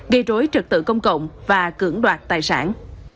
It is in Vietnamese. gây rối trật tự công cộng và cưỡng đoạt tài sản